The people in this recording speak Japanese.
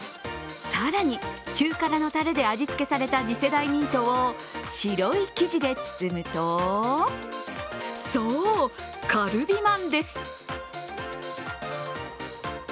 更に中からのたれで味付けされた次世代ミートを白い生地で包むとそう、カルビまんです。